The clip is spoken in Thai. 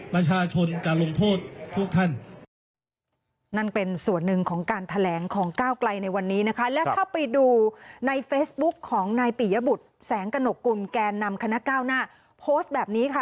ประชาชนจะลงโทษทุกท่าน